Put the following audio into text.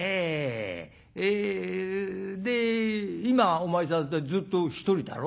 えで今お前さんずっと独りだろ？」。